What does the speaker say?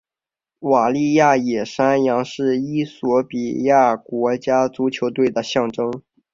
瓦利亚野山羊是衣索比亚国家足球队的象征。